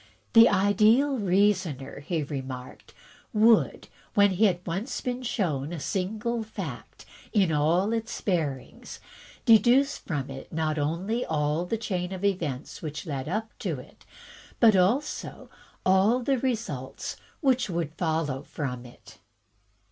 "The ideal reasoner," he remarked, "would, when he hid once been shown a single fact in all its bearings, deduce from it not only all the chain of events which led up to it, but also all the results which would follow from it.